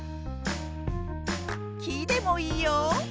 「き」でもいいよ！